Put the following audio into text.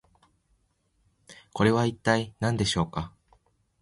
これは一体何でしょうか？